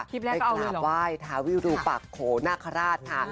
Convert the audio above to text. ไปกราบไหว้ทาวิวดูปากโขนาคาราชค่ะ